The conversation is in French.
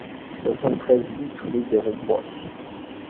soixante-treize BIS rue des Rompois